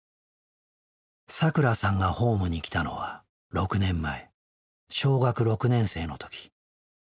さくらさんがホームに来たのは６年前小学６年生の時。